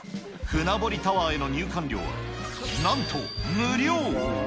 船堀タワーへの入館料は、なんと無料。